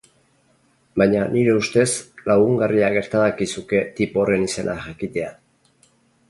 Baina, nire ustez, lagungarria gerta dakizuke tipo horren izena jakitea.